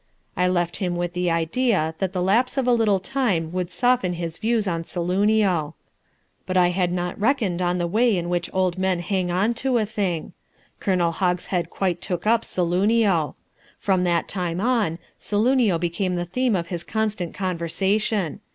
I left him with the idea that the lapse of a little time would soften his views on Saloonio. But I had not reckoned on the way in which old men hang on to a thing. Colonel Hogshead quite took up Saloonio. From that time on Saloonio became the theme of his constant conversation.